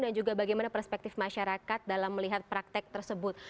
dan juga bagaimana perspektif masyarakat dalam melihat praktek tersebut